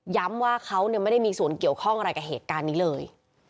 ว่าเขาไม่ได้มีส่วนเกี่ยวข้องอะไรกับเหตุการณ์นี้เลย